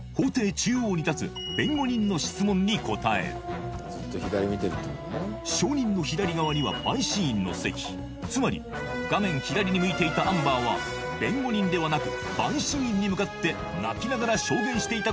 中央に立つ弁護人の質問に答える証人の左側には陪審員の席つまり画面左に向いていたアンバーは弁護人ではなく陪審員に向かって泣きながら証言していた